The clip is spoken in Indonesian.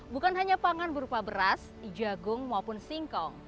bukan hanya pangan berupa beras jagung maupun singkong